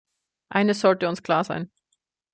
Eines sollte uns klar sein.